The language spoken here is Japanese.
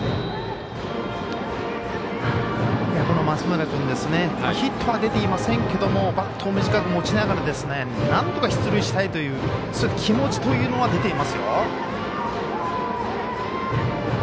松村君ヒットは出ていませんけどもバットを短く持ちながらなんとか出塁したいというそういった気持ちというのは出ていますよ。